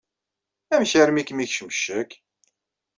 Amek armi i kem-yekcem ccek?